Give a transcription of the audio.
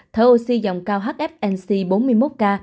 thở oxy dòng cao hfnc bốn mươi một ca